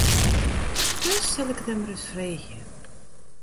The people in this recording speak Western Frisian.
Dus sil ik it him ris freegje.